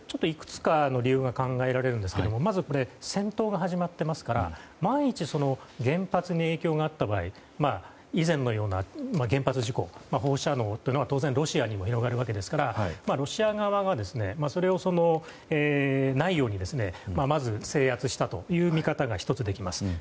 いくつかの理由が考えられるんですがまず戦闘が始まっていますから万一その原発に影響があった場合以前のような原発事故放射能は当然ロシアにも広がるわけですからロシア側がそれをないようにまず制圧したという見方が１つできます。